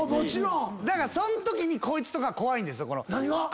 だからそんときにこいつとか怖いんですよ。